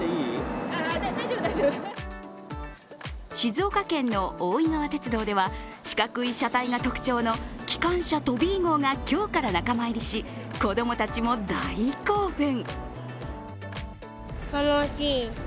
静岡県の大井川鐵道では四角い車体が特徴のきかんしゃトビー号が今日から仲間入りし、子供たちも大興奮。